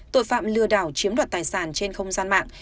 tội phạm lừa đảo chiếm đoạt tài sản trên không gian mạng